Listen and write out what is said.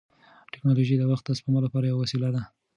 ټیکنالوژي د وخت د سپما لپاره یوه وسیله ده.